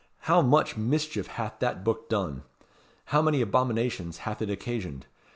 How much, mischief hath that book done! How many abominations hath it occasioned!